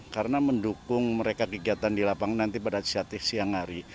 karena mendukung mereka kegiatan di lapangan nanti pada siang hari